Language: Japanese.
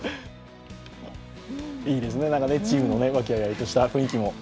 いいですね、チームの和気あいあいとした雰囲気も。